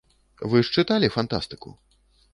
Вы ж чыталі фантастыку?